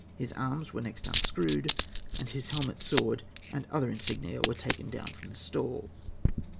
His arms were next unscrewed, and his helmet, sword, and other insignia were taken down from the stall.